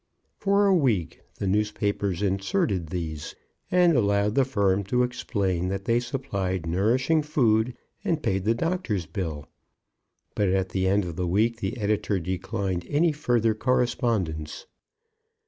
For a week the newspapers inserted these, and allowed the firm to explain that they supplied nourishing food, and paid the doctor's bill; but at the end of the week the editor declined any further correspondence.